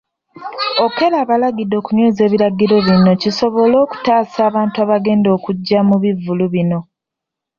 Okello abalagidde okunyweza ebiragiro bino kisobole okutaasa abantu abagenda okujja mu bivvulu bino.